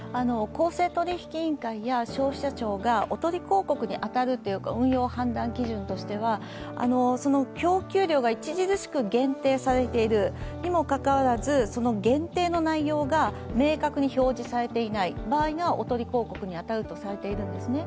公正取引委員会や消費者庁がおとり広告に当たると、運用判断基準としては供給量が著しく限定されているにもかかわらず限定の内容が明確に表示されていない場合がおとり広告に当たるとされているんですね。